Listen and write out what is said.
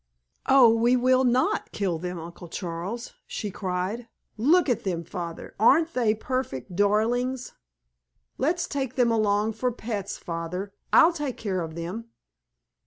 "Oh, we will not kill them, Uncle Charles!" she cried. "Look at them, Father, aren't they perfect darlings? Let's take them along for pets, Father, I'll take care of them!"